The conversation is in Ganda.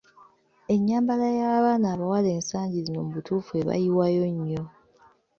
Ennyambala y’abaana bawala ensagi zino mu butuufu ebayiwayo nnyo !